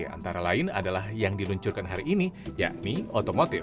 antara lain adalah yang diluncurkan hari ini yakni otomotif